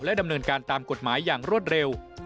ดำเนินการตามกฎหมายอย่างรวดเร็ว